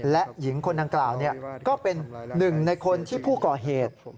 และหญิงคนดังกล่าวก็เป็นหนึ่งในคนที่ผู้ก่อเหตุ